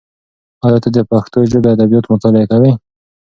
ایا ته د پښتو ژبې ادبیات مطالعه کوې؟